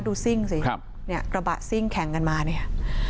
ซิ่งสิครับเนี่ยกระบะซิ่งแข่งกันมาเนี่ย